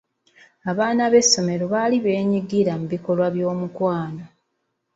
Abaana b'essomero baali beenyigira mu bikolwa by'omukwano.